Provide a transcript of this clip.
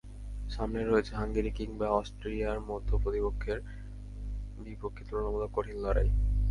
সামনে রয়েছে হাঙ্গেরি কিংবা অস্ট্রিয়ার মতো প্রতিপক্ষের বিপক্ষে তুলনামূলক কঠিন লড়াই।